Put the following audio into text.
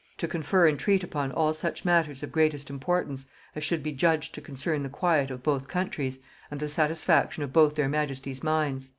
to confer and treat upon all such matters of greatest importance, as should be judged to concern the quiet of both countries, and the satisfaction of both their majesties' minds."